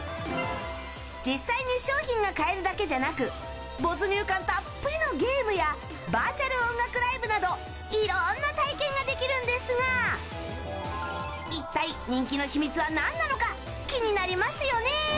実際に商品が買えるだけじゃなく没入感たっぷりのゲームやバーチャル音楽ライブなどいろんな体験ができるんですが一体、人気の秘密は何なのか気になりますよね？